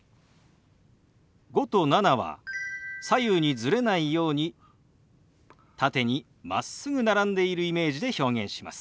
「５」と「７」は左右にズレないように縦にまっすぐ並んでいるイメージで表現します。